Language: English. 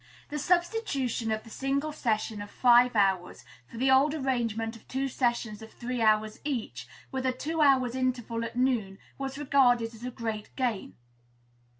The substitution of the single session of five hours for the old arrangement of two sessions of three hours each, with a two hours interval at noon, was regarded as a great gain.